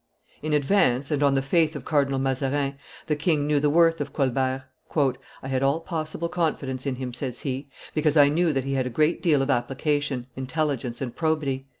In advance, and on the faith of Cardinal Mazarin, the king knew the worth of Colbert. "I had all possible confidence in him," says he, "because I knew that he had a great deal of application, intelligence, and probity."